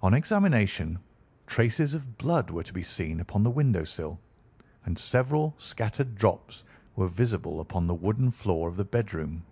On examination traces of blood were to be seen upon the windowsill, and several scattered drops were visible upon the wooden floor of the bedroom.